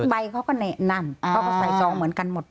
ใบเขาก็นั่นเขาก็ใส่ซองเหมือนกันหมด